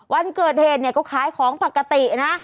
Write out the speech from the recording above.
วันเกิดเหตุเนี่ยก็ขายของปกตินะ